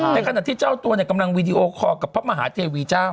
ขณะที่เจ้าตัวกำลังวีดีโอคอลกับพระมหาเทวีเจ้า